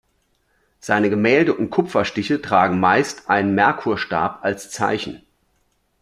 Seine Gemälde und Kupferstiche tragen meist einen Merkurstab als Zeichen.